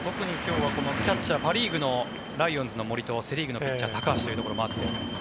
キャッチャーパ・リーグのライオンズの森とセ・リーグのピッチャー高橋というところもあって。